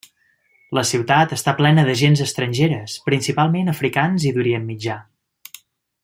La ciutat està plena de gents estrangeres, principalment africans i d'Orient Mitjà.